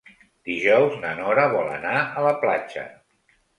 Dijous na Nora vol anar a la platja.